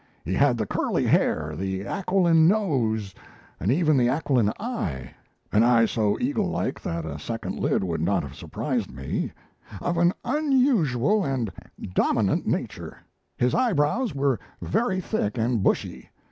He had the curly hair, the aquiline nose, and even the aquiline eye an eye so eagle like that a second lid would not have surprised me of an unusual and dominant nature. His eyebrows were very thick and bushy.